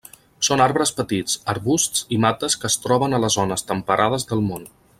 Són arbres petits, arbusts i mates que es troben a les zones temperades del món.